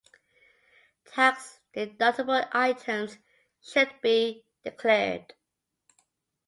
Tax deductible items should be declared.